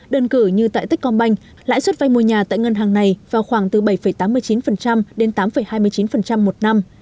đơn cử như tại techcombank lãi suất vay mua nhà tại ngân hàng này vào khoảng từ bảy tám mươi chín đến tám hai mươi chín một năm